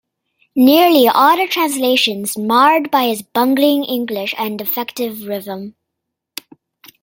Nearly all the translations marred by his bungling English and defective rhythm.